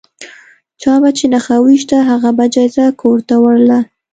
چا به چې نښه وویشته هغه به جایزه کور ته وړله.